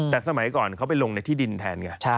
แต่สมัยก่อนเขาไปลงในที่ดินแทนไง